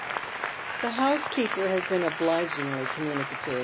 The housekeeper has been obligingly con»nunicative.